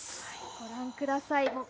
ご覧ください。